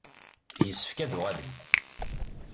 Yessefk ad d-tuɣalemt.